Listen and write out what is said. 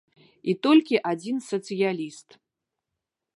І толькі адзін сацыяліст.